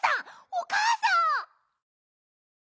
おかあさん！